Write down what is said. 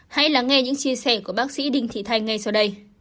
hãy lắng nghe những chia sẻ của bác sĩ đinh thị thanh ngay sau đây